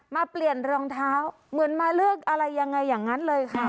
เปลี่ยนรองเท้าเหมือนมาเลือกอะไรยังไงอย่างนั้นเลยค่ะ